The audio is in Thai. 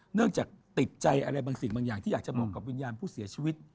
เนื่องจากติดใจอะไรบางสิ่งบางอย่างที่อยากจะบอกกับวิญญาณผู้เสียชีวิต